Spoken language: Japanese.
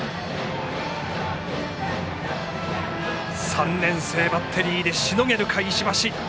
３年生バッテリーでしのげるか、石橋。